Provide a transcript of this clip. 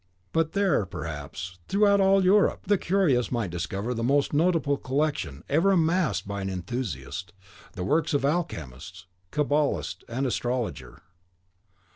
But there, perhaps, throughout all Europe, the curious might discover the most notable collection, ever amassed by an enthusiast, of the works of alchemist, cabalist, and astrologer.